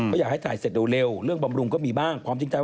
ก็อยากให้ถ่ายเสร็จเร็วเรื่องบำรุงก็มีบ้าง